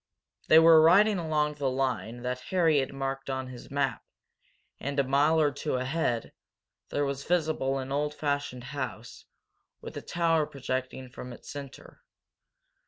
They were riding along the line that Harry had marked on his map, and, a mile or two ahead, there was visible an old fashioned house, with a tower projecting from its centre.